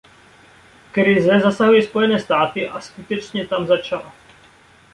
Krize zasahuje Spojené státy a skutečně tam začala.